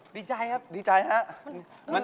ดีใจครับดีใจครับ